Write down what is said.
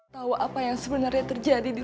tau apa yang sebenarnya terjadi di rumah ini apip